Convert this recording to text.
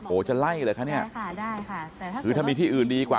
โอ้เจ้าไล่เลยคะเนี่ยได้ค่ะแล้วคือถ้ามีที่อื่นดีกว่า